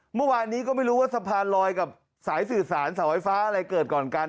เมื่อวานนี้ก็ไม่รู้ว่าสะพานลอยกับสายสื่อสารเสาไฟฟ้าอะไรเกิดก่อนกัน